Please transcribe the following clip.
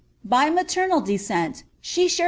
By malernal dcsceni she sliarei!